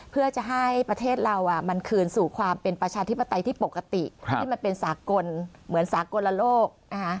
เพื่อจะให้ประเทศเรามันคืนสู่ความเป็นประชาธิปไตยที่ปกติที่มันเป็นสากลเหมือนสากลโลก